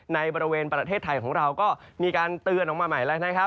ในบริเวณประเทศไทยของเราก็มีการเตือนออกมาใหม่แล้วนะครับ